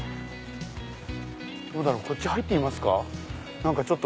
どうだろうこっち入ってみますか？